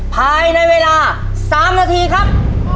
ภายในเวลา๓นาทีครับ